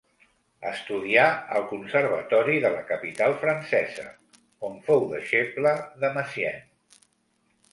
Estudià al conservatori de la capital francesa, on fou deixeble de Messiaen.